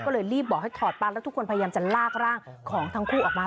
ก็เลยรีบบอกให้ถอดปั๊กแล้วทุกคนพยายามจะลากร่างของทั้งคู่ออกมา